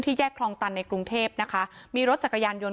แยกคลองตันในกรุงเทพนะคะมีรถจักรยานยนต์